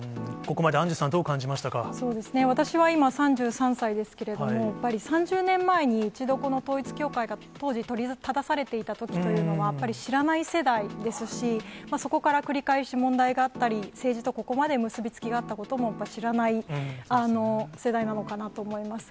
ここまでアンジュさん、そうですね、私は今、３３歳ですけれども、やっぱり３０年前に一度、この統一教会が当時、取り沙汰されていたときというのは、やっぱり知らない世代ですし、そこから繰り返し、問題があったり、政治とここまで結び付きがあったこともやっぱり知らない世代なのかなと思います。